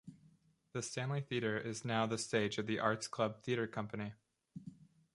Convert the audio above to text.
The Stanley Theatre is now the stage of the Arts Club Theatre Company.